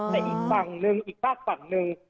แต่อีกฝั่งหนึ่งอีกฝากฝั่งหนึ่ง